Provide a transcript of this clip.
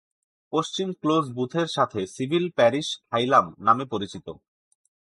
পশ্চিম close বুথের সাথে civil parish Higham নামে পরিচিত।